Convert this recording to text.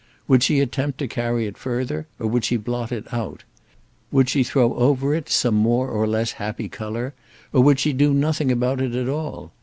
Would she attempt to carry it further or would she blot it out? Would she throw over it some more or less happy colour; or would she do nothing about it at all?